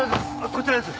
こちらです。